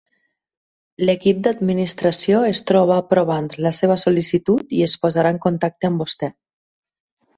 L'equip d'administració es troba aprovant la seva sol·licitud i es posarà en contacte amb vostè.